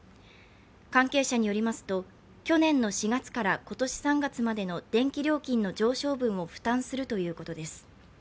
関係者によりますと、去年の４月から今年３月までの電気料金の上昇分を負担するということです。